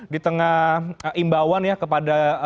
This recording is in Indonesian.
di tengah imbauan ya kepada